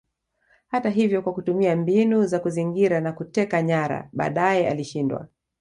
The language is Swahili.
Hata hivyo kwa kutumia mbinu za kuzingira na kuteka nyara baadaye alishindwa